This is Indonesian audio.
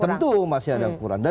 tentu masih ada yang kurang